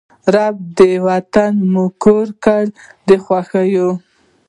ربه! دا وطن مو کور کړې د خوښیو